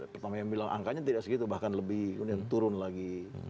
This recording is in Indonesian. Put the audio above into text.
pertama yang bilang angkanya tidak segitu bahkan lebih turun lagi